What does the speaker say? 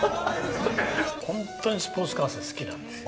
本当にスポーツ観戦好きなんですよ。